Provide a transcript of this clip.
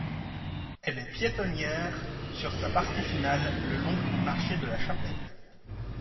Elle est piétonnière sur sa partie finale, le long du marché de la Chapelle.